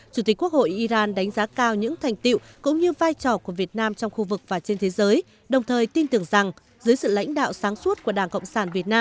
chủ tịch quốc hội iran đánh giá cao những thành tiệu cũng như vai trò của việt nam trong khu vực và trên thế giới đồng thời tin tưởng rằng dưới sự lãnh đạo sáng suốt của đảng cộng sản việt nam